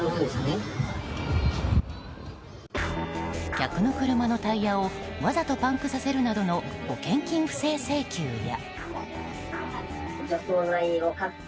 客の車のタイヤをわざとパンクさせるなどの保険金不正請求や。